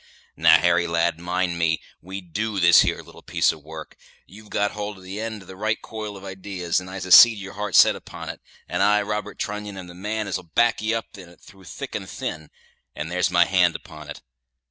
Now, Harry, lad, mind me, we do this here little piece of work. You've got hold of the eend of the right coil of idees, and I can see as your heart's set upon it; and I, Robert Trunnion, am the man as'll back ye up in it through thick and thin, and there's my hand upon it.